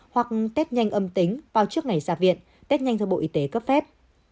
hoặc test nhanh âm tính vào trước ngày ra viện test nhanh do bộ y tế cấp phép